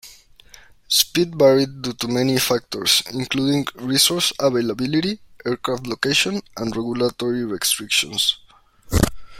Speed varied due to many factors including resource availability, aircraft location, and regulatory restrictions.